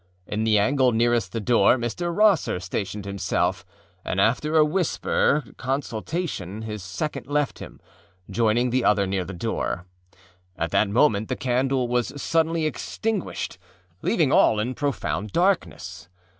In the angle nearest the door Mr. Rosser stationed himself, and after a whispered consultation his second left him, joining the other near the door. At that moment the candle was suddenly extinguished, leaving all in profound darkness.